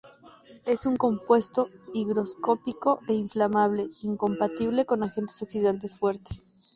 Es un compuesto higroscópico e inflamable, incompatible con agentes oxidantes fuertes.